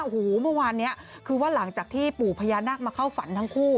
โอ้โหเมื่อวานนี้คือว่าหลังจากที่ปู่พญานาคมาเข้าฝันทั้งคู่